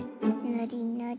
ぬりぬり。